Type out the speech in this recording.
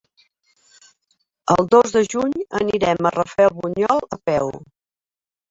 El dos de juny anirem a Rafelbunyol a peu.